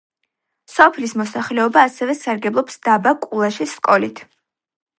სოფლის მოსახლეობა ასევე სარგებლობს დაბა კულაშის სკოლით.